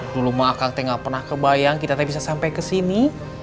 dulu mah akang teh gak pernah kebayang kita teh bisa sampai kesini